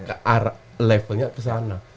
ke arah levelnya kesana